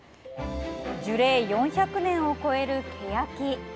樹齢４００年を超えるけやき。